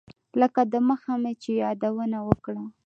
لکه دمخه چې مې یادونه وکړه.